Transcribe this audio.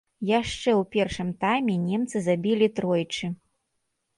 Яшчэ ў першым тайме немцы забілі тройчы.